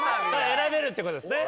選べるってことですね。